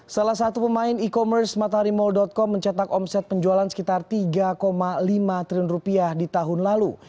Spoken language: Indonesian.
salah satu pemain e commerce mataharimall com mencetak omset penjualan sekitar tiga lima triliun rupiah di tahun lalu